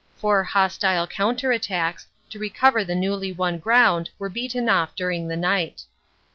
Four hostile counter attacks to recover the newly won ground were beaten off during the night.